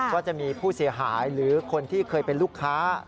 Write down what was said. ว่าจะมีผู้เสียหายหรือคนที่เคยเป็นลูกค้า